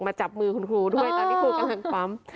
จับมือคุณครูด้วยตอนนี้ครูกำลังปั๊ม